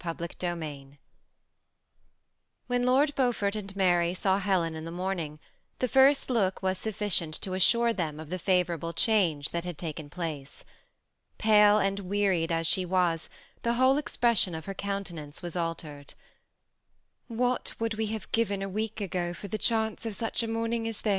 CHAPTER XUIL When Lord Beaufort and Mary saw Helen in the morning, the first look was sufficient to assure them of the favorahle change that had taken place. Pale and wearied as she was, the whole expression of her coun tenance was altered. ^' What would we have given a week ago for the chance of such a morning as this